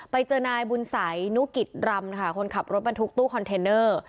ไปเจอนายบุญสัยนุกิจรำค่ะคนขับรถบรรทุกตู้คอนเทนเนอร์